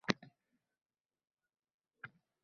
qulay muhit yuzaga keldi.